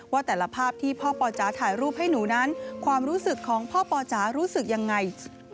ว่าแต่ละภาพที่พ่อปอจ๋าถ่ายรูปให้หนูนั้นความรู้สึกของพ่อปอจ๋ารู้สึกยังไง